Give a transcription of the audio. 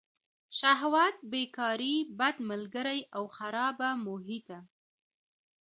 شهوت، بېکاري، بد ملګري او خرابه محیطه.